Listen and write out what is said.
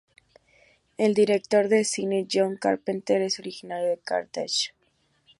El director de cine John Carpenter es originario de Carthage.